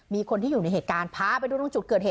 มีคนที่อยู่ในเหตุการณ์พาไปดูตรงจุดเกิดเหตุ